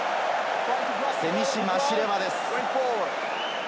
セミシ・マシレワです。